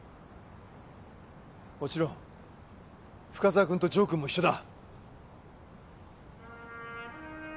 もちろん深沢君と城君も一緒だ